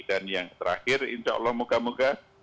dan yang terakhir insya allah moga moga